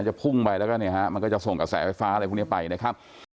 จะพุ่งไปแล้วก็เนี่ยฮะมันก็จะส่งกระแสไฟฟ้าอะไรพวกนี้ไปนะครับ